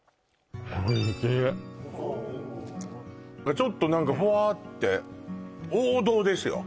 ちょっとなんかほわって王道ですよ